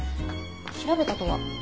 「調べた」とは？